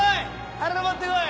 あれ持ってこい！